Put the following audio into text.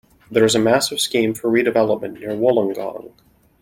There is a massive scheme for redevelopment near Wollongong.